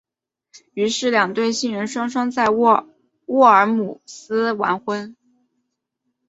于是两对新人双双在沃尔姆斯完婚。